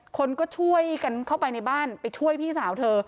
คนก็ช่วยกันเข้าไปในบ้านไปช่วยพี่สาวเธอ